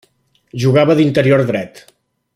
Jugava d'interior dret.